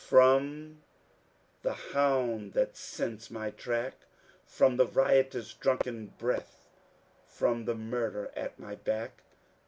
From the hoand that soeDta my trade From the riotous, dnmkeD breath. From the murder at mj back